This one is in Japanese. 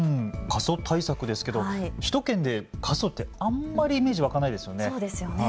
過疎対策ですけど首都圏で過疎ってあんまりイメージ、湧かないですよね。